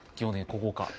ここか。